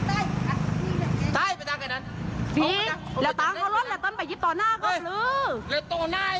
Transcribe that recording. ต้นขึ้นแล้วโต๊ะเบื้องรอย